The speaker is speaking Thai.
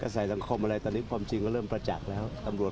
ใส่สังคมอะไรตอนนี้ความสนิทเริ่มประจักษ์แล้ว